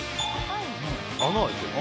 穴あいてる。